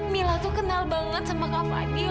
mila tuh kenal banget sama kak fadil